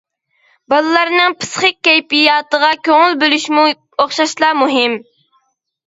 بالىلارنىڭ پىسخىك كەيپىياتىغا كۆڭۈل بۆلۈشمۇ ئوخشاشلا مۇھىم.